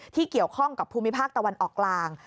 ที่เกี่ยวข้องกับภูมิภาคตะวันออกกลาง